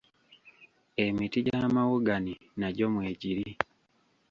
emiti gya mawogani nagyo mwegiri.